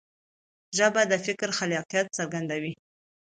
ژبه د فکر خلاقیت څرګندوي.